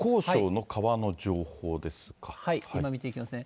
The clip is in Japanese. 今見ていきますね。